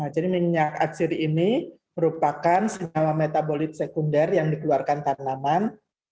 jadi minyak atsiri ini merupakan sebuah metabolit sekunder yang dikeluarkan tanaman